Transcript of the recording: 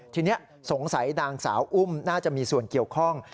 ทีนี้สงสัยนางสาวอุ้มน่าจะมีส่วนเกี่ยวข้อง